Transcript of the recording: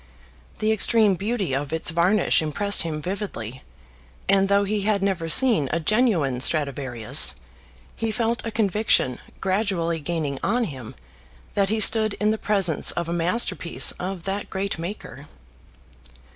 The extreme beauty of its varnish impressed him vividly, and though he had never seen a genuine Stradivarius, he felt a conviction gradually gaining on him that he stood in the presence of a masterpiece of that great maker.